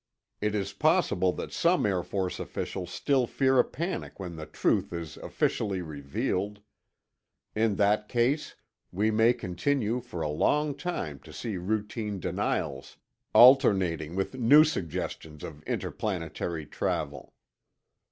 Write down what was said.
It is possible that some Air Force officials still fear a panic when the truth is officially revealed. In that case, we may continue for a long time to see routine denials alternating with new suggestions of interplanetary travel.